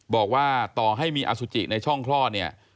บอกว่าต่อให้มีอสุจิในช่องคลอดเนี่ย